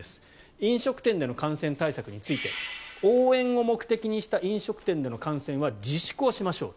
飲食店での感染対策について応援を目的にした飲食店での感染は自粛をしましょう。